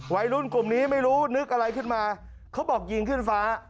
วัยรุ่นกลุ่มนี้ไม่รู้นึกอะไรขึ้นมาเขาบอกยิงขึ้นฟ้า